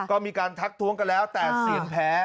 ก็มีการทักท้วงกันแล้วแต่เสียงแพ้